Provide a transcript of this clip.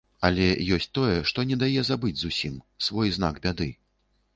Але ёсць тое, што не дае забыць зусім, свой знак бяды.